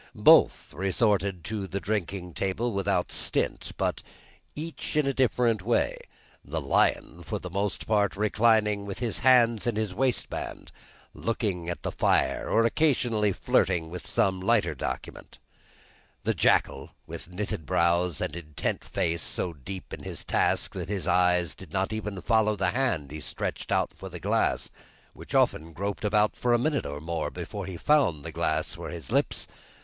Both resorted to the drinking table without stint, but each in a different way; the lion for the most part reclining with his hands in his waistband, looking at the fire, or occasionally flirting with some lighter document; the jackal, with knitted brows and intent face, so deep in his task, that his eyes did not even follow the hand he stretched out for his glass which often groped about, for a minute or more, before it found the glass for his lips.